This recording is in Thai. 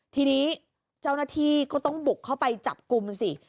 ทีนี้เจ้าหน้าที่ก็ต้องบุกเข้าไปจับกลุ่มสิ